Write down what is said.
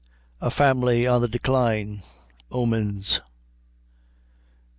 A Family on the Decline Omens.